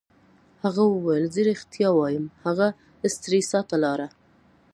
هغه وویل: زه ریښتیا وایم، هغه سټریسا ته ولاړه.